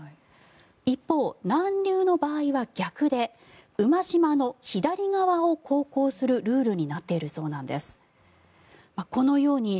一方、南流の場合は逆で馬島の左側を航行するルールになっているそうなんです。